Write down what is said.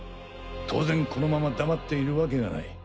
当然このまま黙っているわけがない。